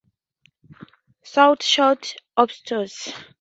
Snout short., obtuse.